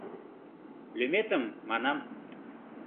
— Лӱметым, манам.